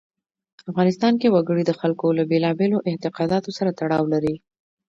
افغانستان کې وګړي د خلکو له بېلابېلو اعتقاداتو سره تړاو لري.